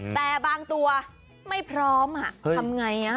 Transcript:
แต่บางตัวไม่พร้อมทำไง